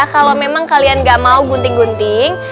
kalau memang kalian gak mau gunting gunting